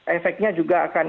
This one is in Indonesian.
efeknya juga akan